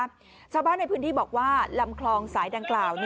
ชาวบ้านในพื้นที่บอกว่าลำคลองสายดังกล่าว